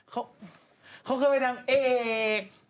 เขาเคยเป็นนางเอก